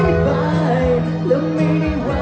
ฉันที่มีกลุ่มพิมพ์ไว้